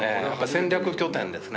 戦略拠点ですね。